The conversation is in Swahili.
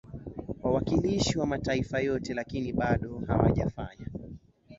wawakilishi wa mataifa yote lakini bado hawajafanya